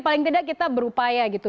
paling tidak kita berupaya gitu